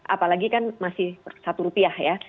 apalagi kan masih satu rupiah ya